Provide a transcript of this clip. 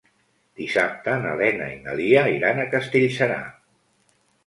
Dissabte na Lena i na Lia iran a Castellserà.